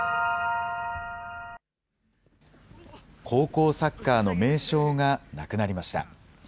高校サッカーの名将が亡くなりました。